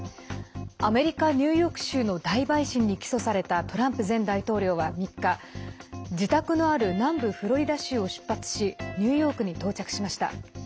アメリカニューヨーク州の大陪審に起訴されたトランプ前大統領は３日、自宅のある南部フロリダ州を出発しニューヨークに到着しました。